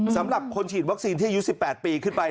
สำหรับคนฉีดวัคซีนที่อายุ๑๘ปีขึ้นไป